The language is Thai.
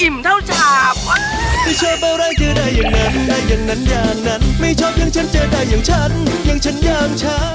ไม่ชอบอย่างฉันเจอได้อย่างฉันอย่างฉันอย่างฉัน